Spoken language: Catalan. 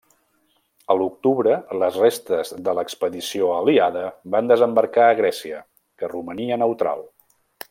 A l'octubre les restes de l'expedició aliada van desembarcar a Grècia, que romania neutral.